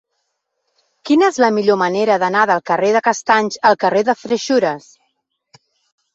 Quina és la millor manera d'anar del carrer de Castanys al carrer de Freixures?